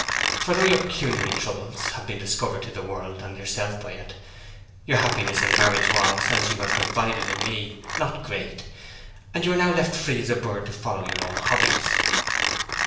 For though your pecuniary troubles have been discovered to the world and yourself by it, your happiness in marriage was, as you have confided to me, not great; and you are now left free as a bird to follow your own hobbies.'